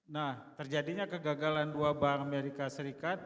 nah terjadinya kegagalan dua bank amerika serikat